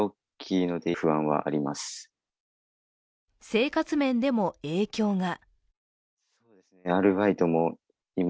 生活面でも影響が。